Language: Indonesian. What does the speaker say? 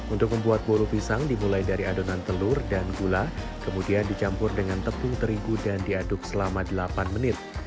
untuk membuat buru pisang dimulai dari adonan telur dan gula kemudian dicampur dengan tepung terigu dan diaduk selama delapan menit